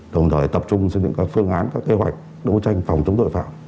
đồng thời tập trung xây dựng các phương án các kế hoạch đấu tranh phòng chống tội phạm